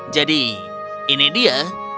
jadi ini dia